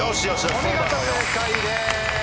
お見事正解です！